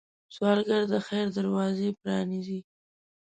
سوالګر د خیر دروازې پرانيزي